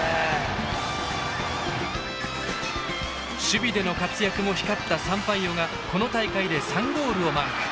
守備での活躍も光ったサンパイオがこの大会で３ゴールをマーク。